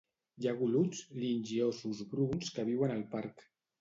Hi ha goluts, linxs i óssos bruns que viuen al parc.